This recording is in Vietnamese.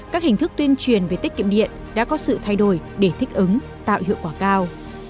các hình thức tuyên truyền về tiết kiệm điện đã có sự thay đổi để thích ứng tạo hiệu quả cao